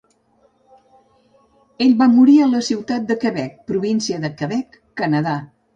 Ell va morir a la Ciutat de Quebec, província del Quebec, Canadà.